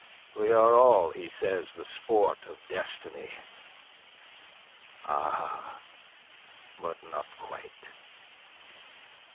We are all, he says, the sport of destiny. Ah, but not quite.